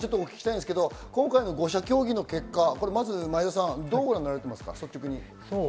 今回の５者協議の結果、前田さん、どうご覧になりましたか？